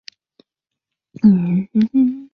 河源的文化以客家文化为主。